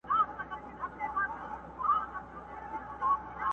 ته هم چایې په توده غېږ کي نیولی؟!٫